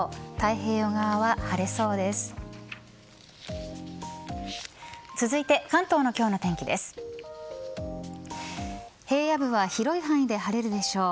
平野部は広い範囲で晴れるでしょう。